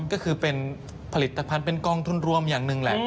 ก็คือเป็นผลิตภัณฑ์เป็นกองทุนรวมอย่างหนึ่งแหละ